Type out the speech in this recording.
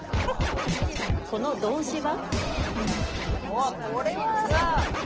この動詞は？